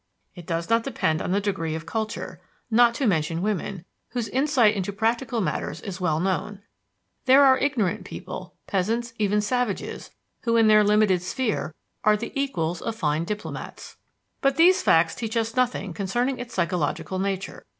It does not depend on the degree of culture; not to mention women, whose insight into practical matters is well known, there are ignorant people peasants, even savages who, in their limited sphere, are the equals of fine diplomats. But all these facts teach us nothing concerning its psychological nature.